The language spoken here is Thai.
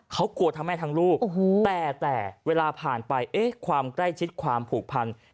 เขากลัวทั้งแม่ทั้งลูกแต่แต่เวลาผ่านไปเอ๊ะความใกล้ชิดความผูกพัน